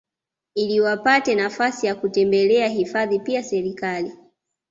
iliwapate nafasi ya kutembelea hifadhi Pia Serekali